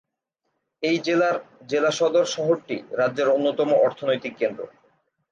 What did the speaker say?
এই জেলার জেলা সদর শহরটি রাজ্যের অন্যতম অর্থনৈতিক কেন্দ্র।